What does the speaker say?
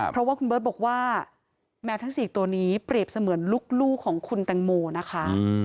เพราะว่าคุณเบิร์ตบอกว่าแมวทั้ง๔ตัวนี้เปรียบเสมือนลูกของคุณแตงโมนะคะ